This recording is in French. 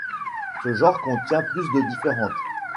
Ce genre contient plus de différentes.